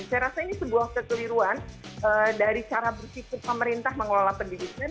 saya rasa ini sebuah kekeliruan dari cara berpikir pemerintah mengelola pendidikan